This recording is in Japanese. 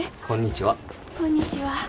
こんにちは。